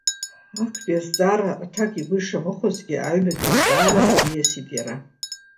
Актәи азҵаара аҭак игәы ишамыхәазгьы, аҩбатәи азҵаарахь диасит иара.